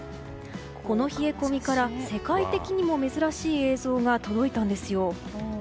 この冷え込みから世界的にも珍しい映像が届いたんですよ。